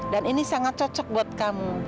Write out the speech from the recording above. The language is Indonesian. dan ini sangat cocok buat kamu